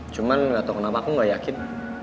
cuman gak tau kenapa aku gak yakin